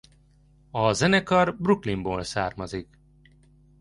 A zenekar Brooklynból származik.